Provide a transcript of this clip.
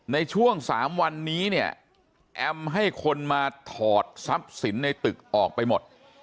ในช่วง๓วันนี้เนี่ยแอมให้คนมาถอดทรัพย์สินในตึกออกไปหมด